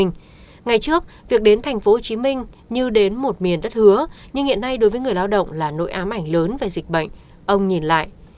ngày trước việc đến tp hcm như đến một miền đất hứa nhưng hiện nay đối với người lao động là nỗi ám ảnh lớn về dịch bệnh ông nhìn lại